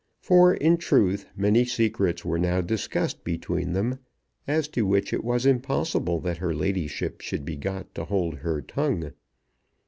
For, in truth, many secrets were now discussed between them, as to which it was impossible that her ladyship should be got to hold her tongue.